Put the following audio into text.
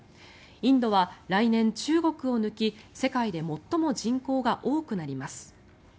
インドは来年、中国を抜き世界で最も人口が多くなります。